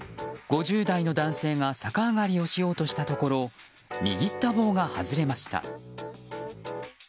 ５０代の男性が逆上がりをしようとしたところ握った棒が外れました。